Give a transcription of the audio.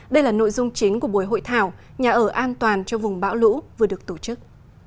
đây là nội dung chính của buổi hội thảo nhà ở an toàn cho vùng bão lũ vừa được tổ chức